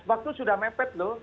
waktu sudah mepet loh